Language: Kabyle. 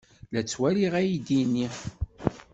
La ttwaliɣ aydi-nni.